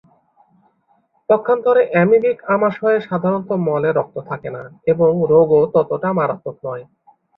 পক্ষান্তরে অ্যামিবিক আমাশয়ে সাধারণত মলে রক্ত থাকে না এবং রোগও ততটা মারাত্মক নয়।